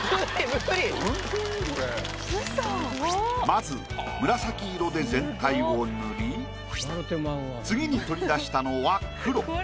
まず紫色で全体を塗り次に取り出したのは黒。